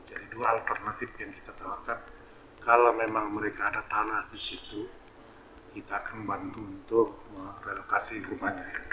jadi dua alternatif yang kita tawarkan kalau memang mereka ada tanah di situ kita akan membantu untuk merelokasi rumahnya